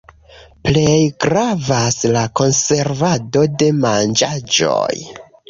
Plej gravas la konservado de manĝaĵoj.